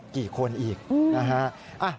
กี่คนอีกนะฮะ